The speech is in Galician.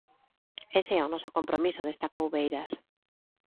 Ese é o noso compromiso, destacou Beiras.